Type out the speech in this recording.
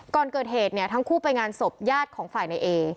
ก่อนเกิดเหตุเนี่ยทั้งคู่ไปงานศพญาติของฝ่ายในเอ